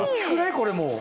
これも。